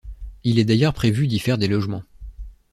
Il est d'ailleurs prévu d'y faire des logements.